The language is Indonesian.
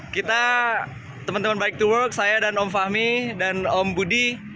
kita teman teman bike to work saya dan om fahmi dan om budi